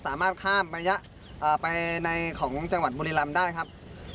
สามารถข้ามระยะไปในของจังหวัดบุรีรำได้ครับ